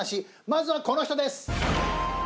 まずはこの人です。